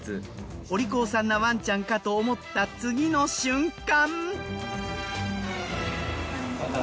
お利口さんなワンちゃんかと思った次の瞬間。